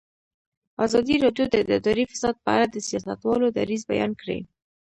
ازادي راډیو د اداري فساد په اړه د سیاستوالو دریځ بیان کړی.